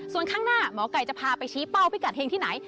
ส่วนข้างหน้าหมอไก่จะพาไปชี้เป้าพิกัดเฮงที่ไหน